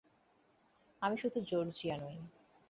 আমি শুধু জর্জিয়া নই।